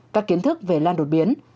các kiến thức về lan đột biến